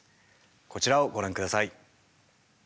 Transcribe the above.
こちらをご覧ください。